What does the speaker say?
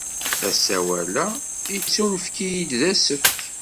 Asawal-a yettunefk-iyi-d d asefk.